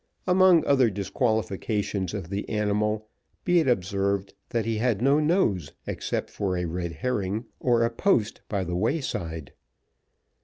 Among other disqualifications of the animal, be it observed, that he had no nose except for a red herring, or a post by the way side.